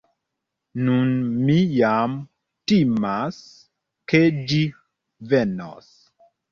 Nun mi jam timas ke ĝi venos.